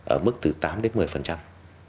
ở mức từ tám đến một mươi